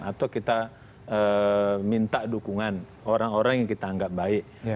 atau kita minta dukungan orang orang yang kita anggap baik